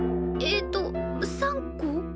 えと３個？